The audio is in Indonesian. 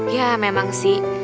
iya memang sih